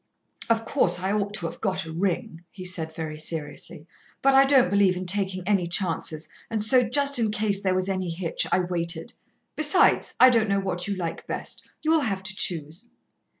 "Of course, I ought to have got a ring," he said very seriously, "but I don't believe in taking any chances, and so, just in case there was any hitch, I waited. Besides, I don't know what you like best you'll have to choose."